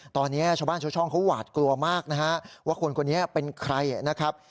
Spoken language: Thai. ตอนนี้ชาวบ้านชาวช่องเขาหวาดกลัวมากนะฮะว่าคนคนนี้เป็นใครนะครับ